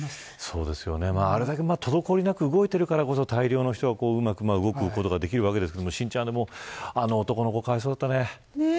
そうですよね、あれだけ滞りなく動いているからこそ大量の人がうまく動くことができるんですが男の子かわいそうだったね。